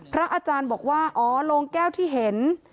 พระอาจารย์บอกว่าอ๋อโรงแก้วที่เห็น